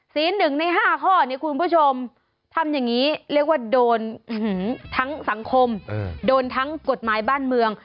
๑ใน๕ข้อเนี่ยคุณผู้ชมทำอย่างนี้เรียกว่าโดนทั้งสังคมโดนทั้งกฎหมายบ้านเมือง